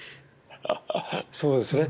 そうですね。